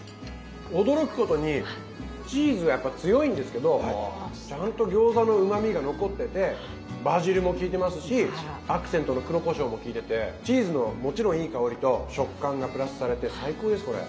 驚くことにチーズがやっぱ強いんですけどちゃんと餃子のうまみが残っててバジルも効いてますしアクセントの黒こしょうもきいててチーズのもちろんいい香りと食感がプラスされて最高ですこれ。